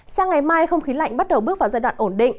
sang ngày mai không khí lạnh bắt đầu bước vào giai đoạn ổn định